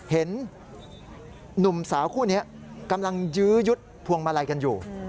เห็นหนุ่มสาวคู่นี้กำลังยื้อยุดพวงมาลัยกันอยู่